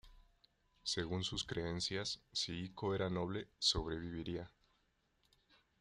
Según sus creencias si Ico era noble sobreviviría.